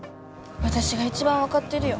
私が一番分かってるよ